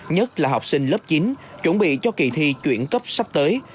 nhất là học sinh lớp chín chuẩn bị cho kỳ thi chuyển cấp sắp tới